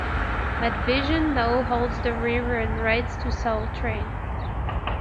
MadVision now holds the rerun rights to "Soul Train".